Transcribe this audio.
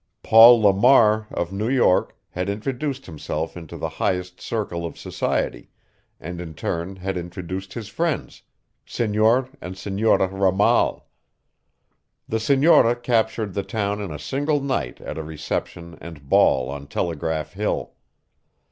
Paul Lamar, of New York, had introduced himself into the highest circle of society, and in turn had introduced his friends, Senor and Senora Ramal. The senora captured the town in a single night at a reception and ball on Telegraph Hill.